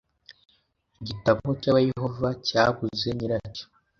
igitabo cy’abayehova cyabuze nyiracyo